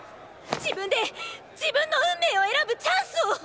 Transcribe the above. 自分で自分の運命を選ぶチャンスを！